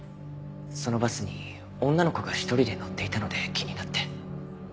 そのバスに女の子が一人で乗っていたので気になって。